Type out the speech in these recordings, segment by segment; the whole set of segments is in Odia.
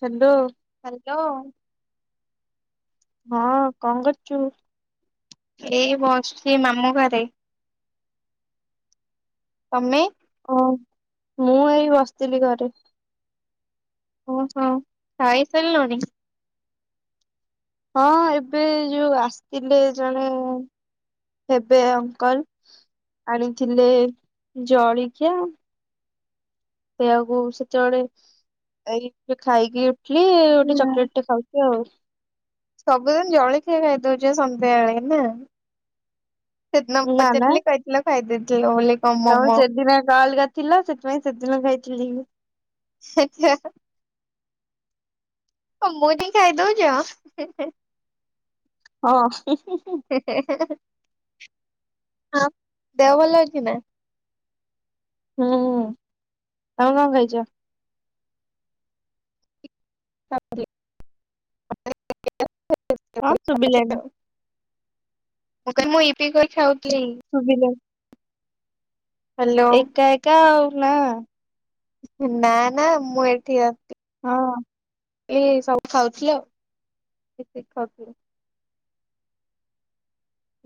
ସାନ୍ଦ। ହାଲୋ। ହଁ କଁ କରଚୁ? ଏଇ ବସଛି ମାମୁଁ ଘରେ। ତମେ? କଁ ମୁଁ ଏଇ ବସିଥିଲି ଘରେ। ଓହୋ ଖାଇସାରିଲଣି? ହଁ ଏବେ ଯୋଉ ଆସତିଲେ ଜଣେ। ହେବେ ଅଙ୍କଲ ଆଣିଥିଲେ ଜଳିଖିଆ। ସେଇଆକୁ ସେତବେଳେ ଏଇ ଏବେ ଖାଇକି ଉଠିଲି ଗୋଟେ ହୁଁ, ଚକୋଲେଟେ ଖାଉ ଲୋ। ସବୁଦିନ ଜଳଖିଆ ଖାଇଦଉଚ଼ ସନ୍ଧ୍ୟାବେଳେ ନା। ସେଦିନ ପଚାରିଥିଲି କହିଥିଲ ଖାଇ ଦେଇଥିଲ ବୋଲି। କଣ ତମ ମୋମୋ। ସେଦିନ କାଲ ଗା ଥିଲା ସେଥିପାଇଁ ସେଦିନ ଖାଇଥିଲି। [unintelligible] ହଁ ମୁଁ ଟିକେ ଖାଇ ଦଉଚି ଆଁ- ହେ -ହେ। ହଁ -ହୁଁ -ହୁଁ- ହୁଁ। ହେ- ହେ- ହେ -ହେ ଆଉ ଦେହ ଭଲ ଅଛି ନା? ହୁଁ -ତମେ କଣ୍ ଖାଇଚ? ହଁ ଶୁଭିଲାନି [unintelligible] ମୁଁ କହିଲି ମୁଁ ଇପି କରି ଖାଉଥିଲି। ଶୁବିଲେ। ହ୍ୟାଲୋ ଏକା ଏକା ଆଉ ନା। ଉଁ -ନା -ନା ମୁଁ ଏଠି [unintelligible] ହଁ। ଇଏ ସବୁ ଖାଉଥିଲ ମିଶିକି ଖାଉଥିଲୁ।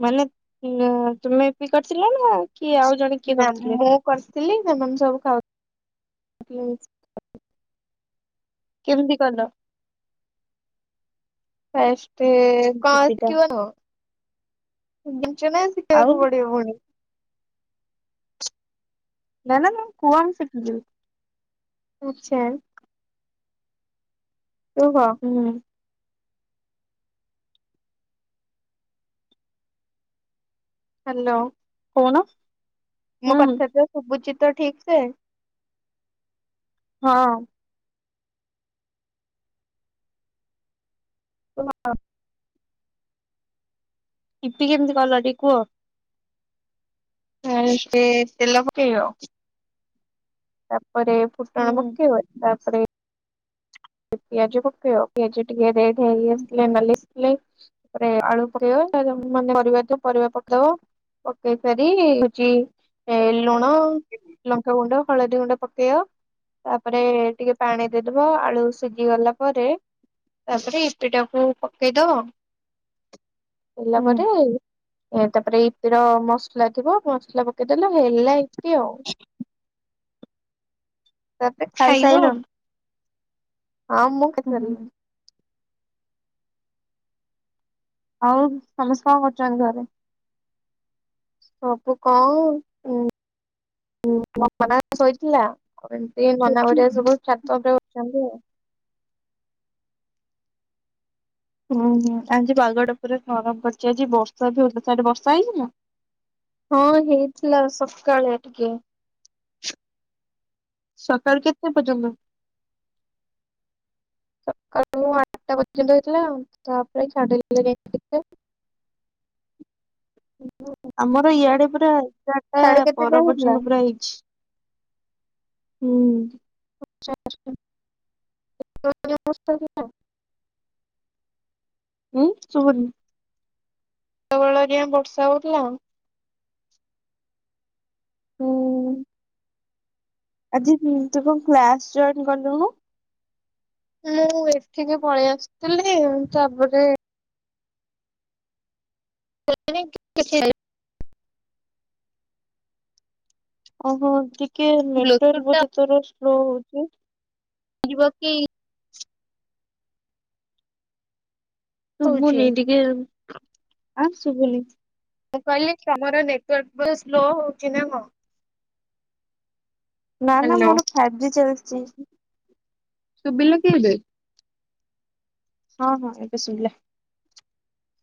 ମାନେ ନ- ତୁମେ ଇପି କରିଥିଲ ନା କିଏ ଆଉ ଜଣେ କିଏ ନା କରିଥିଲେ? ମୁଁ କରଥିଲି ସେମାନେ ସବୁ ଖାଉ କେମିତି କଲ? ଫାଷ୍ଟେ କଁ ଇପିଟା? ଶିକିବ କଁ? ଜାଣିଚ ନା ଶିକ୍ ଆଉ ଶିକେଇବାକୁ ପଡିବ ପୁଣି। ନା- ନା- ନା କୁହନ୍ତୁ ଶିକିଯିବି। ଉଚାଲ୍‌‌। ତୁ କହ। ହୁଁ। ହାଲୋ। କଣ? ମୋ କଥା ତ ଶୁବୁଚି ତ ଠିକ୍ ସେ? ହଁ। [unintelligible] ଇପି କେମିତି କଲ ଟିକେ କୁହ? ଫାଷ୍ଟେ ତେଲ ପକେଇବ ତାପରେ ଫୁଟଣ ହୁଁ ପକେଇବ ତାପରେ ପିଆଜ ପକେଇବ ପିଆଜ ଟିକେ ରେଡ୍ ହେଇ ଆସିଲେ ନାଲି ଲେ ତାପରେ ଆଳୁ ପକେଇବ ମାନେ ପରିବା ଥିବ ପରିବା ପକେଇବ। ପକେଇ ସାରି ହଉଚି ଏ ଲୁଣ, ଲଙ୍କାଗୁଣ୍ଡ, ହଳଦୀ ଗୁଣ୍ଡ, ପକେଇବ। ତାପରେ ଟିକେ ପାଣି ଦେଇଦବ ଆଳୁ ସି ସିଜି ଗଲା ପରେ ତାପରେ ଇପି ଟାକୁ ପକେଇଦବ। ହେଲା ହୁଁ ପରେ ତାପରେ ଇପିର ମସଲା ଥିବ ମସଲା ପକେ ପକେଇଦେଲ ହେଲା ଇପି ଆଉ। ତାପରେ ଖାଇବ ଆଉ। ଖାଇସାଇଲଣି? ହଁ ମୁଁ ହୁଁ ହୁଁ ଖାଇସାଇଲିଣି। ଆଉ ସମସ୍ତେ କଣ କରୁଚନ୍ତି ଘରେ? ସବୁ କଣ [unintelligible] ଶୋଇଥିଲା। ଘରେ ଏମତି ନାନା ହେରୀକା ସବୁ ଛାତ ଉପରେ ଅଛନ୍ତି ଆଉ। ହୁଁ -ହୁଁ ଆଜି ପାଗଟା ପୁରା ଗରମ୍ କରିଚି ଆଜି ବର୍ଷା ବି ହଉ ଥିଲା ସିଆଡେ ବର୍ଷା ହେଇ ଥିଲା? ହଁ ହେଇଥିଲା ସକାଳେ ଟିକେ। ସକାଳୁ କେତେ ପର୍ଯ୍ୟନ୍ତ? ସକାଳୁ ଆଠଟା ପର୍ଯ୍ୟନ୍ତ ହେଇଥିଲା ତାପରେ ଛାଡ ଯାଇ [unintelligible] ଆମର ଇଆଡେ ପୁରା ଏଗାରଟା ସାଢେ କେତେ ପର ଯାଏ ହେଇଥିଲା? ପର୍ଯ୍ୟନ୍ତ ପୁରା ହେଇଚି। ହୁଁ। [unintelligible] ହୁଁ ଶୁବୁନି। ସେତବେଳେ ଯାଏଁ ବର୍ଷା ହଉଥିଲା। ହୁଁ ଆଜି ତୁ କଣ କ୍ଲାସ୍ ଜଏନ୍ କଲୁଣୁ? ମୁଁ ଏଠିକି ପଳେଇ ଆସିଥିଲି ତାପରେ [unintelligible] ଓହୋ ଟିକେ ନେଟୱାର୍କ ବ୍ଲୁଟୁଥଟା ବୋଧେ ତୋର ସ୍ଲୋ ହୋଉଚି। ଯିବ କି? ହଉଛି ଶୁଭୁନି ମୁଁ ଟିକେ ଆଁ ଶୁଭୁନି। ମୁଁ କହିଲି ତମର ନେଟୱାର୍କ ପୁରା ସ୍ଲୋ ହଉଚି ନା କଣ? ନା ନା ହ୍ୟାଲୋ ମୋର ଫାଇଫଜ୍ ଚାଲିଚି। ସୁବିଲା କି ଏବେ? ହଁ ହଁ ଏବେ ଶୁବିଲା।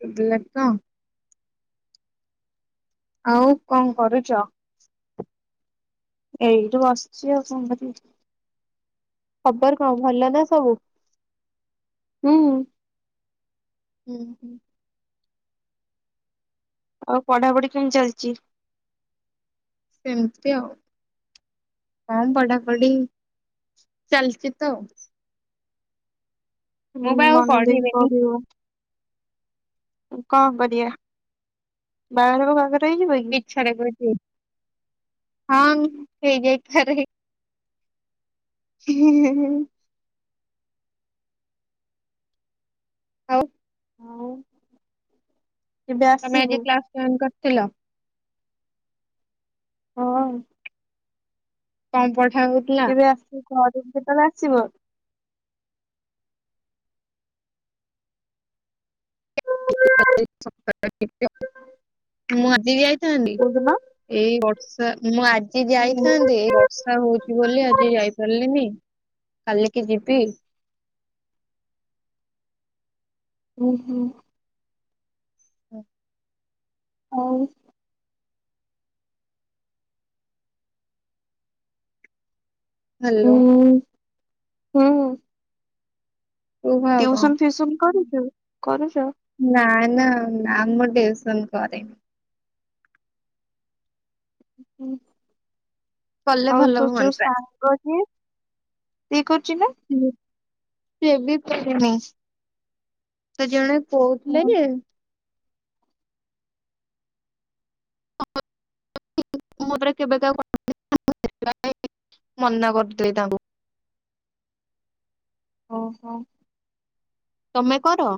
ସୁବିଲା ତ? ଆଉ କଣ କରୁଚ? ଏଇଠି ବସିଚି ଆଉ କଣ କରିବି। ଖବର କଣ ଭଲ ନା ସବୁ? ହୁଁ। ହୁଁ ହୁଁ। ଆଉ ପଢାପଢି କେମିତି ଚାଲିଚି? ସେମିତି ଆଉ। ହଁ ପଢାପଢି ଚାଲିଚି ତ। ହୁଁ ମୁଁ ବା ଆଉ ମନ ଦେଇକି ପଢିବିନି ପଢିବ। କଣ କରିବା ବାହାଘର ଫାହାଘର ହେଇଯିବ କି? [unintelligible] ହଁ ହେଇଯାଇ ପାରେ। ହିଁ ହିଁ ହିଁ ହିଁ। ଆଉ ଆଉ କେବେ ତମେ ଆସିବୁ? ଆଜି କ୍ଲାସ ଜଏନ୍ କରିଥିଲ? ହଁ। କଣ ପଢା ଉ କେବେ ଆସିବ ଘରକୁ କେତେବେଳେ ଆସିବ? [unintelligible] ମୁଁ ଆଜି ବି ଯାଇଥାନ୍ତି। କୋଉଦିନ? ଏଇ ବର୍ଷା ମୁଁ ଆଜି ହୁଁ ଯାଇଥାନ୍ତି ଏଇ ବ ବର୍ଷା ହଉଚି ବୋଲି ଆଜି ଯାଇପାରିଲିନି କାଲିକି ଯିବି। ହୁଁ ହୁଁ। ହୁଁ ଆଉ ହ୍ୟାଲୋ। ଉଁ ହୁଁ କୁହ ଆଉ କଣ ଟ୍ୟୁସନ ଫିୁୟୁସନ କରୁଚୁ କରୁଚ? ନା ନା ନା ଆମ ଟିଉସନ କରିନି। ହଁ କଲେ ଆଉ ଭଲ ତତୋର ଯୋଉ ହୁଅନ୍ତା ସାର [unintelligible] କିଏ କରୁଚି ନା? ହୁଁ ସିଏ ବି ପଢିନି। ତ ଜଣେ କହୁଥିଲେ ହୁଁ, ନା [unintelligible] ମନା କରିଥିଲି ତାଙ୍କୁ। ଓହୋ। ତମେ କର?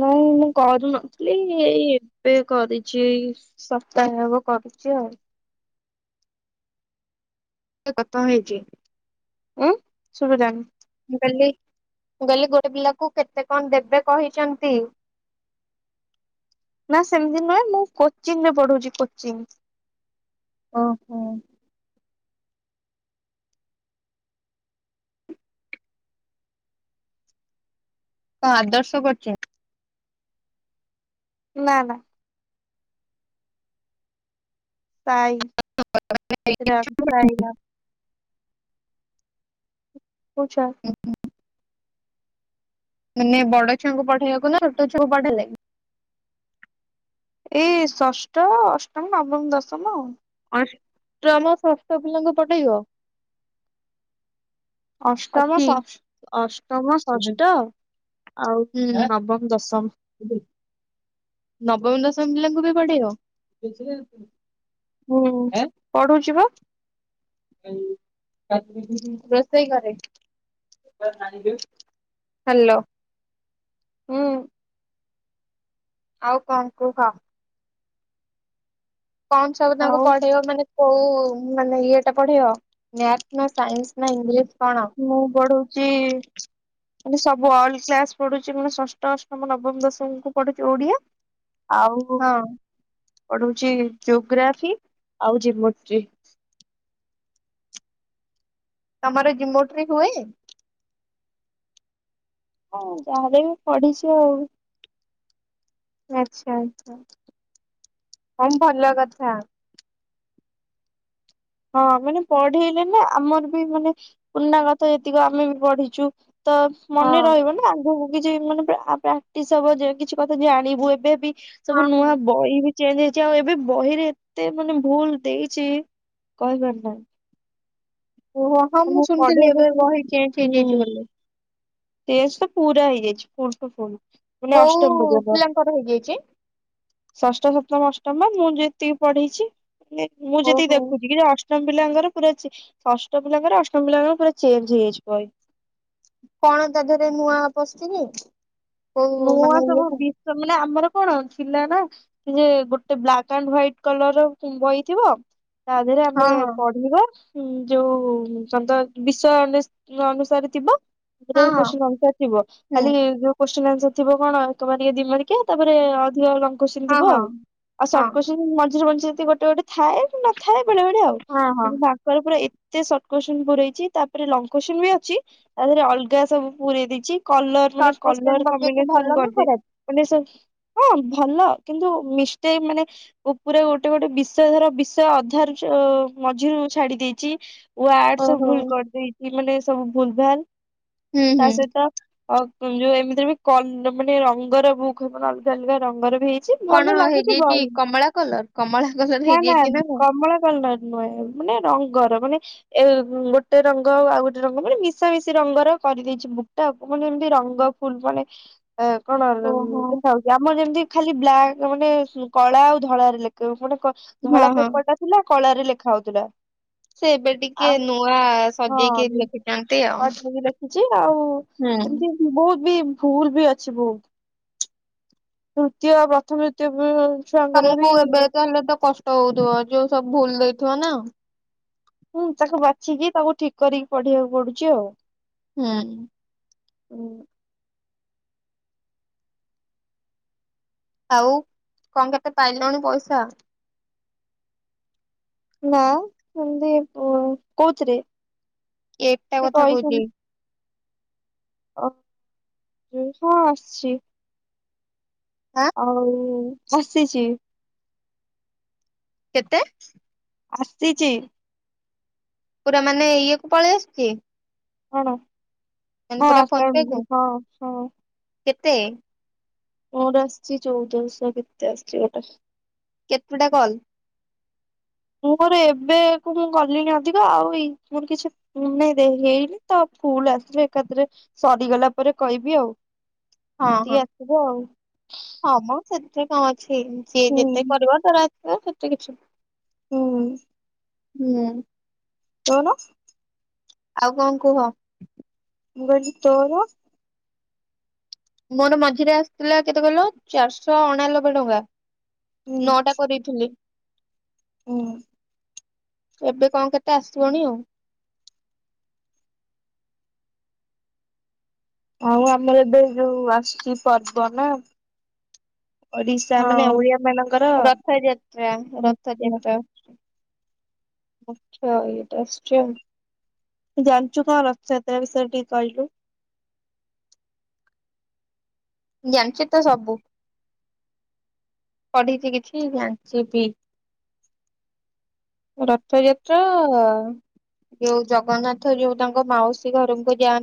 ନାଇଁ ମୁଁ କରୁ ନଥିଲି ଏଇ ଏବେ କରିଚି ଏଇ ସପ୍ତାହେ ହବ କରୁଚି ଆଉ। କଥା ହେଇଚି। ଉଁ [unintelligible] ମୁଁ କହିଲି ମୁଁ କହିଲି ଗୋଟେ ପିଲାକୁ କେତେ କଣ ଦେବେ କହିଛନ୍ତି? ନା ସେମିତି ନୁହେଁ ମୁଁ କୋଚିଂ ରେ ପଢୁଚି କୋଚିଂ। ଓହୋ। ତ ଆଦର୍ଶ କରୁଚି। ନା ନା। ସାଇ ରାମ ସାଇ ରମ୍। ପୁଛ ମାନେ ବଡ ଛୁଆଙ୍କୁ ପଢେଇବାକୁ ନା ଛୋଟ ଛୁଆଙ୍କୁ ପଢେଇଲେ ଏଇ ଷଷ୍ଠ ଅଷ୍ଟମ ନବମ ଦଶମ। ଅଷ୍ଟମ ଷଷ୍ଠ ପିଲାଙ୍କୁ ପଠେଇବ। ଅଷ୍ଟମ ଅଛି ଶଶ୍ ଅଷ୍ଟମ ଷଷ୍ଠ ଆଉ ନବମ ଦଶମ। ନବମ ଦଶମ ପିଲାଙ୍କୁ ବି ପଢେଇବ। ହୁଁ ପଢୁଛି ବା। ରୋସେଇ ଘରେ ହ୍ୟାଲୋ। ହୁଁ। ଆଉ କଣ କୁହ। କଣ ସବୁ ତାଙ୍କୁ ଆଉ ପଢେଇବ ମାନେ କୋଉ ମାନେ ଇଏଟା ପଢେଇବ ମ୍ୟାଥ ନା ସାଇନ୍ସ ନା ଇଂଲିଶ କଣ? ମୁଁ ପଢ଼ଉଚି ମାନେ ସବୁ ଅଲ କ୍ଲାସ ପଢୁଛି ମାନେ ଷଷ୍ଠ ଅଷ୍ଟମ ନବମ ଦଶମୀକୁ ପଢୁଛି ଓଡିଆ ଆଉ ହଁ। ପଢଉଛି ଜୋଗ୍ରାଫି ଆଉ ଜିମୋଟ୍ରି। ତମର ଜିମୋଟ୍ରି ହୁଏ? ହଁ ଯାହାହେଲେବି ପଢିଛି ଆଉ ଆଚ୍ଛା ଆଛା କଁ ଭଲ କଥା। ହଁ ମାନେ ପଢେଇଲେ ନା ଆମର ବି ମାନେ ପୁରୁଣା କଥା ଯେତିକ ଆମେ ବି ପଢିଛୁ ତ ହଁ ମନେ ରହିବ ନା ଆଗକୁ କିଛି ମାନେ ପ୍ରାକ୍ଟିସ ହବ ଯେ କିଛି କଥା ଜାଣିବୁ ଏବେ ବି ହଁ ସବୁ ହଁ। ନୂଆ ବହି ବି ଚେଞ୍ଜ ହେଇଛି ଆଉ ଏବେ ବହିରେ ଏତେ ମାନେ ଭୁଲ ଦେଇଛି କହିବାର ନାଇଁ। ଓହୋ ହଁ ମୁଁ ଶୁଣିଥିଲି ପଢେଇଲେ ଏବେ ଟିକେ ବହି ଚେଞ୍ଜ ହେଇଯାଇଛି ବୋଲି। ଚେଞ୍ଜ ତ ପୁରା ହେଇଯାଇଛି ଫୁଲ ଟୁ ଫୁଲ ମାନେ ଅଷ୍ଟମ କୋଉ ପଯ୍ୟନ୍ତ। ପିଲାଙ୍କର ହେଇଯାଇଛି? ଷଷ୍ଠ ସପ୍ତମ ଅଷ୍ଟମ ବା ମୁଁ ଯେତିକି ପଢେଇଛି। ମାନେ ମୁଁ ଯେତିକି ଓହୋ। ଦେଖୁଛି କି ଅଷ୍ଟମ ପିଲାଙ୍କର ପୁରା ଚି ଷଷ୍ଠ ଷ୍ଠ ପିଲାଙ୍କର ଅଷ୍ଟମ ପିଲାଙ୍କର ପୁରା ଚେଞ୍ଜ ହେଇଯାଇଛି ବହି। କଣ ତା ଦେହରେ ନୂଆ ପସିଛି କି? କୋଉ ନୂଆ ମାନେ ସବୁ ଇଏରେ? ବିଷ ମାନେ ଆମର କଣ ଥିଲା ନା। ଯେ ଗୋଟେ ବ୍ଲାକ୍ ଆଣ୍ଡ ହ୍ଵାଇଟ୍ କଲରର ବହିଥିବ ତା ଦେହରେ ହଁ ଆମେ ପଢିବ ହୁଁ ଯୋଉ [unintelligible] ବିଷୟ ଅନେ ଅନୁସାରେ ଥିବ ସେଥିରେ ହଁ ହଁ ହଁ କୋସଚୀନ ଅନୁସାରେ ଥିବ ହୁଁ ଖାଲି ଯୋଉ କୋସଚୀନ ଆନସର ଥିବ କଣ ଏକ ମାର୍କିଆ ଦି ମାର୍କିଆ ତାପରେ ଅଧିକ ଲଙ୍ଗ କୋସଚୀନ ହଁ ଥିବ ହଁ ଆଉ ଆଉ ହଁ ସର୍ଟ କୋସଚୀନ ମଝିରେ ମଝିରେ ଗୋଟେ ଗୋଟେ ଥାଏ କି ନ ଥାଏ ବେଳବେଳେ ଆଉ ହଁ ହଁ। କିନ୍ତୁ ମାନେ ପୁରା ଏତେ ସର୍ଟ କୋସଚୀନ ପୁରେଇଛି ତାପରେ ଲଙ୍ଗ କୋଶଚିନ ବି ଅଛି ତାଦେହରେ ଅଲଗା ସବୁ ପୁରେଇ ଦେଇଛି କଲର ମାନେ ସର୍ଟ କୋସଚୀନ କଲର ପକେଇକି କମ୍ବିନେସନ ଭଲ ନା କରିଦେଇ ଖରାପ ମାନେ [unintelligible] ହଁ ଭଲ କିନ୍ତୁ ମିଷ୍ଟେକ ମାନେ ଓ ପୁରା ଗୋଟେ ଗୋଟେ ବିଷୟ ଧର ବିଷୟ ଅଧାରୁ ଯୋ ମଝିରୁ ଛାଡି ଦେଇଛି। ୱାଡ ସବୁ ଓହୋ। ଭୁଲ କରିଦେଇଛି ମାନେ ସବୁ ଭୁଲ ଭାଲ ହୁଁ ତା ହୁଁ। ସହିତ ଆଉ ଯୋଉ ଏମିତିରେ ବି କନ୍ ମାନେ ରଙ୍ଗର ବୁକ ହବନା ଅଲଗା ଅଲଗା ରଙ୍ଗର ବି ହେଇ ସେ କଣ ଭଲ ଲାଗୁଛି ହେଇଯାଇଛି ବହି କମଳା କଲର କମଳା କଲର ନା ନା ହେଇଯାଇଛି କଣ? କମଳା କଲର। ନୁହେଁ ମାନେ ରଙ୍ଗର ମାନେ ଏ ଗୋଟେ ରଙ୍ଗ ଆଉ ଗୋଟେ ରଙ୍ଗ ମାନେ ମିଶାମିଶି ରଙ୍ଗର କରିଦେଇଚି ବୁଟକ୍ ମାନେ ଏମିତି ରଙ୍ଗ ଫୁଲ୍ ଜଣେ କଣ ଓହୋ ଦେଖାଯାଉ ଆମର ଯେମିତି ଖାଲି ବ୍ଲାକ୍ ମାନେ କଳା ଆଉ ଧଳାରେ ଲେଖ ପୁଣି କଣ ହଁ ଧଳା ହଁ ପେପର ଟା ଥିଲା କଳାରେ ଲେଖା ହୋଉଥିଲା। ସେ ଏବେ ଟିକେ ନୂଆ ସଜେଇକି ଲେଖୁଛନ୍ତି ଆଉ। ଯେ ଆଉ ହୁଁ। ଏମିତି ବହୁତ ବି ଭୁଲ୍ ବି ଅଛି ବହୁତ ତୃତୀୟ ପ୍ରଥମ ତୃତୀୟ ଛୁଆଙ୍କର ବି କଲେ ତ କ ଷ୍ଟ ହୋଉଥିବ ଯୋଉ ସବୁ ଭୁଲ୍ ଦେଇଥିବ ନା। ହୁଁ ତାକୁ ବାଛିକି ତାକୁ ଠିକ୍ କରିକି ପଢ଼ିବାକୁ ପଡୁଚି ଆଉ। ହୁଁ। ହୁଁ। ଆଉ କଣ କେତେ ପାଇଲୁଣି ପଇସା? ନା ସେମତି କ କୋଉଥିରେ? ଏଟା ସେ କଥା କହିଛନ୍ତି କହୁଥିଲି। ଅ ହଁ ଆସିଚି। ଆଁ ଆଉ ଆସିଚି। କେତେ? ଆସିଚି। ପୁରା ମାନେ ଇଏ କୁ ପଳେଇ ଆସିଚି? କଣ ହଁ ପୁରା ଫୋନ ପେ କୁ ଆକାଉଣ୍ଟକୁ ହଁ ହଁ। କେତେ? ମୋର ଆସିଛି ଚୋଉଦଶହ କେତେ ଆସିଚି ଗୋଟେ। କେତେ ଟା କଲ୍? ମୋର ଏବେ କୁ ମୁଁ ଗଲିଣିି ଅଧିକ ଆଉ ଏଇ ମୋର କିଛି ମୁଁ ନାଇଁ ଦେ ହେଇନି ତା ଫୁଲ୍ ଆସିଲେ ଏକାଥରେ ସରିଗଲା ପରେ କହିବି ଆଉ। ହଁ ହଁ ସେତିକି ଆସିବ ଆଉ ହଁ ମୁଁ ସେଥିରେ କଣ ଅଛି ଯିଏ ହୁଁ ଯେତେ କରିବ ତାର ଆସିବ ସେତେ କିଛି ନା। ହୁଁ। ହୁଁ। କଣ? ଆଉ କଣ କୁହ? ମୁଁ କହିଲି ତୋର? ମୋର ମଝିରେ ଆସିଥିଲା କେତେ କହିଲ ଚାରିଶହ ଅଣାନବେ ଟଙ୍କା ହୁଁ ନଅଟା କରି ହ୍ୟାଲୋ। ହୁଁ। ଏବେ କଣ କେତେ ଆସିବଣି ଆଉ। ଆଉ ଆମେ ଏବେ ଯୋଉ ଆସୁଚି ପର୍ବ ନା। ଓଡିଶା ହଁ। ମାନେ ଓଡିଆ ମାନଙ୍କର। ରଥଯାତ୍ରା [unintelligible] ରଥଯାତ୍ରା ଆଚ୍ଛା ଏଇଟା ଷ୍ଟ୍ରେ ଜାଣିଚୁ କଣ ରଥ ଯାତ୍ରା ବିଷୟରେ ଟିକେ କହିଲୁ? ଜାଣିଚି ତ ସବୁ। ପଢିଚି କିଛି ଜାଣିଚି ବି। ରଥଯାତ୍ରା ଯୋଉ ଜଗନ୍ନାଥ ଯୋଉ ତାଙ୍କ ମାଉସୀ ଘରକୁ ଯାଆ